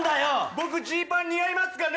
僕ジーパン似合いますかね？